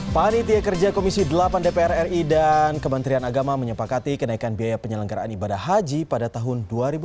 panitia kerja komisi delapan dpr ri dan kementerian agama menyepakati kenaikan biaya penyelenggaraan ibadah haji pada tahun dua ribu tujuh belas